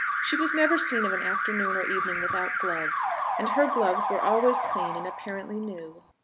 She was never seen of an afternoon or evening without gloves, and her gloves were always clean and apparently new.